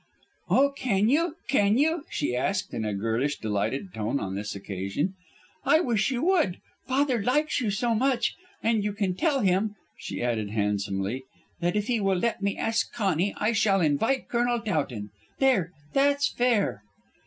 "Oh, can you; can you?" she asked, in a girlish, delighted tone on this occasion. "I wish you would. Father likes you so much. And you can tell him," she added handsomely, "that if he will let me ask Conny I shall invite Colonel Towton. There that's fair."